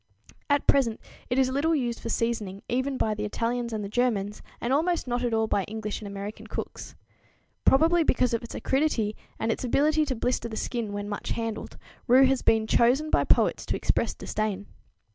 At present it is little used for seasoning, even by the Italians and the Germans, and almost not at all by English and American cooks. Probably because of its acridity and its ability to blister the skin when much handled, rue has been chosen by poets to express disdain.